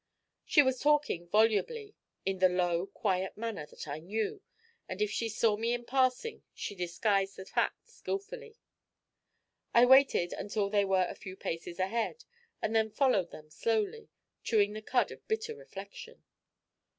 She was talking volubly, in the low, quiet manner that I knew, and if she saw me in passing she disguised the fact skilfully. I waited until they were a few paces ahead, and then followed them slowly, chewing the cud of bitter reflection.